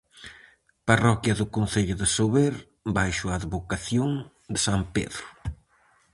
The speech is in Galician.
Parroquia do concello de Sober baixo a advocación de san Pedro.